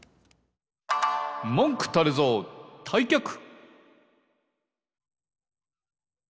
もんくたれぞうたいきゃく！